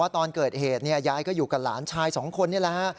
ว่าตอนเกิดเหตุเนี่ยยายก็อยู่กับหลานชาย๒คนเนี่ยละฮะ